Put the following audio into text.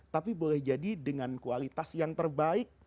tapi boleh jadi dengan kualitas yang terbaik